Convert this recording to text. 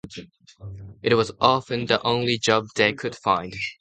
It was often the only job they could find.